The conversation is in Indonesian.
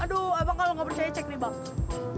aduh abang kalau gak berjaya cek nih bang